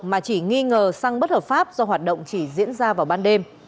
mà chỉ nghi ngờ xăng bất hợp pháp do hoạt động chỉ diễn ra vào ban đêm